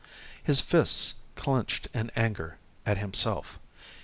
His fists clenched in anger at himself.